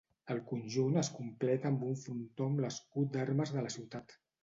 El conjunt es completa amb un frontó amb l'escut d'armes de la ciutat.